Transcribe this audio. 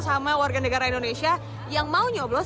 sama warga negara indonesia yang mau nyoblos